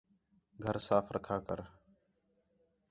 گھر صاف رکھا کرو